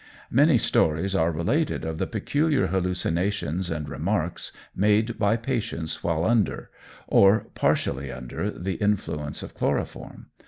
Many stories are related of the peculiar hallucinations and remarks made by patients while under, or partially under the influence of chloroform.